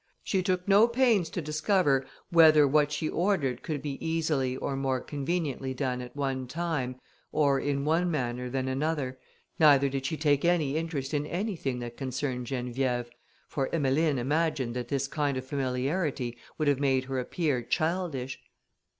She took no pains to discover whether what she ordered could be easily or more conveniently done at one time, or in one manner than another, neither did she take any interest in anything that concerned Geneviève, for Emmeline imagined that this kind of familiarity would have made her appear childish.